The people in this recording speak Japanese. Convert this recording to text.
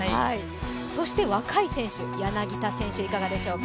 そして、若い選手、柳田選手いかがでしょうか？